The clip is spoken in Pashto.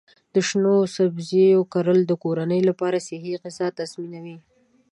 د شنو سبزیو کرل د کورنۍ لپاره صحي غذا تضمینوي.